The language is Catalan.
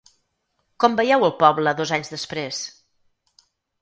Com veieu el poble dos anys després?